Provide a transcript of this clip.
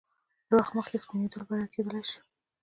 له وخت مخکې سپینېدل بلل کېدای شي.